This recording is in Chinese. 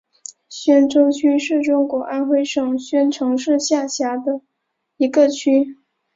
宣州区是中国安徽省宣城市下辖的一个区。